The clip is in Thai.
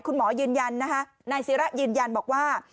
คุณหมอยืนยันนะคะนายศิระยืนยันบอกว่า